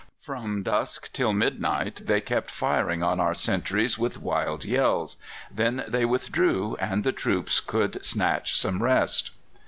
From dusk till midnight they kept firing on our sentries with wild yells. Then they withdrew, and the troops could snatch some rest.